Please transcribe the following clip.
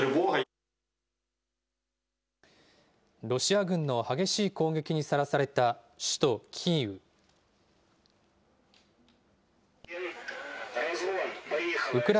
ロシア軍の激しい攻撃にさらされた首都キーウ。